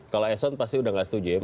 kalau eson pasti udah nggak setuju ya